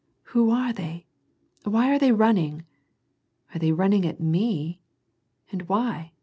"Who are they ? Why are they running? Are they run ning at me ? And why